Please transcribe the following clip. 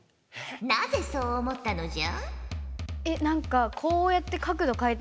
なぜそう思ったのじゃ？